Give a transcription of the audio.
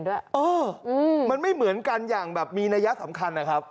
ด้วยอ๋ออื้อมันไม่เหมือนกันอย่างแบบมีนัยสำคัญนะ